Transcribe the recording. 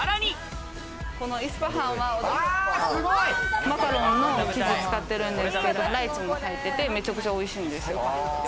このイスパハンはマカロンの生地を使ってるんですけど、ライチも入ってて、めちゃくちゃおいしいんですよ。